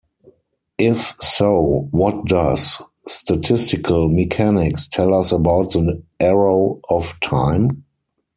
If so, what does statistical mechanics tell us about the arrow of time?